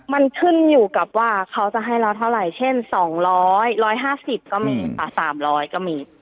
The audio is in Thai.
มันขึ้นอยู่กับว่าเขาจะให้เราเท่าไหร่เช่น๒๐๐๑๕๐ก็มีค่ะ๓๐๐ก็มี